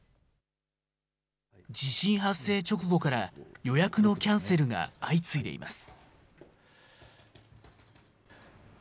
地震発生直後から予約のキャンセルが相次いでいます。